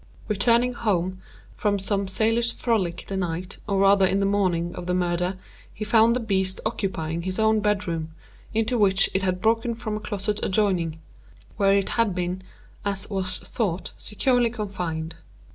Returning home from some sailors' frolic the night, or rather in the morning of the murder, he found the beast occupying his own bed room, into which it had broken from a closet adjoining, where it had been, as was thought, securely confined.